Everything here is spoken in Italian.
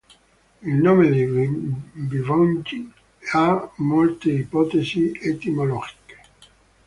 Il nome di Bivongi ha molte ipotesi etimologiche.